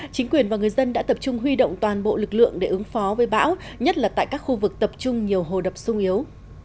chính quyền và người dân đã tập trung huy động toàn bộ lực lượng để ứng phó với bão nhất là tại các khu vực tập trung nhiều hồ đập sung yếu